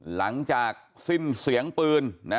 หลังจากสิ้นเสียงปืน